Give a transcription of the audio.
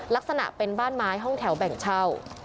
ลักษณะเป็นบ้านไม้ห้องแถวแบ่งเช่า